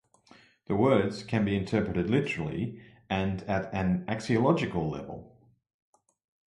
The words can interpreted literally, and at an axiological level.